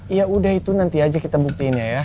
ya udah itu nanti aja kita buktiinnya ya